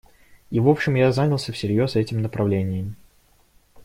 И, в общем, я занялся всерьез этим направлением.